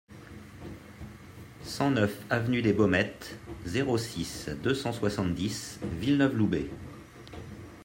cent neuf avenue des Baumettes, zéro six, deux cent soixante-dix Villeneuve-Loubet